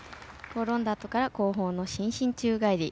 ロンダートから後方の伸身宙返り。